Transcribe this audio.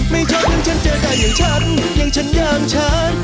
ไม่ชอบอย่างฉันเจอได้อย่างฉันอย่างฉันอย่างฉัน